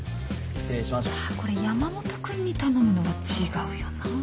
いやこれ山本君に頼むのは違うよな。